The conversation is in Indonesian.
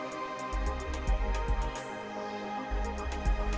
jaringan passillo ebike berbasis jalan fd